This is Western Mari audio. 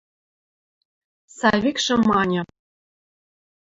– Савикшӹ маньы.